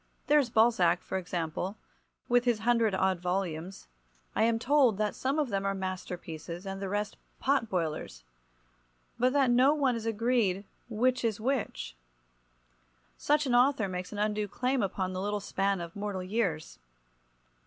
There is Balzac, for example, with his hundred odd volumes. I am told that some of them are masterpieces and the rest pot boilers, but that no one is agreed which is which. Such an author makes an undue claim upon the little span of mortal years.